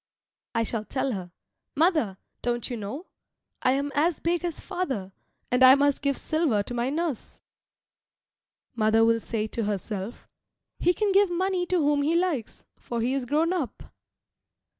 I shall tell her, "Mother, don't you know, I am as big as father, and I must give silver to my nurse." Mother will say to herself, "He can give money to whom he likes, for he is grown up."